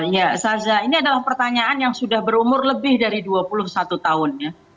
ya sarza ini adalah pertanyaan yang sudah berumur lebih dari dua puluh satu tahun ya